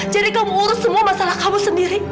jadi kamu urus semua masalah kamu sendiri